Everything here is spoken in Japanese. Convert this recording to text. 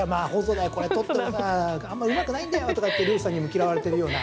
これ、取ってもあまりうまくないんだよとか言って漁師さんにも嫌われているような。